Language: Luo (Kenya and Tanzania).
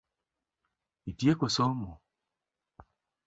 Itieko somo?